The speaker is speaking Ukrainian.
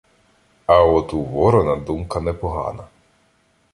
А от у Ворона думка непогана.